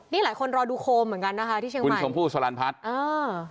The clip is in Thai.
นี่หลายคนรอดูโคมเหมือนกันนะคะที่เชียงใหม่คุณชมพู่สลันพัฒน์อ่า